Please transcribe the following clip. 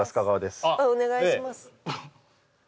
あっお願いします